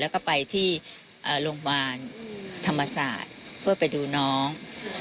แล้วก็ไปที่โรงพยาบาลธรรมศาสตร์เพื่อไปดูน้อง